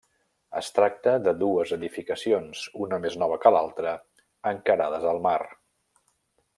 Es tracta de dues edificacions, una més nova que l'altre, encarades al mar.